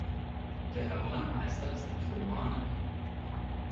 Der Herr Brandmeister ist ein Pyromane.